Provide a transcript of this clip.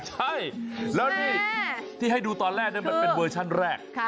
ใช่แล้วนี่ที่ให้ดูตอนแรกมันเป็นเวอร์ชันแรก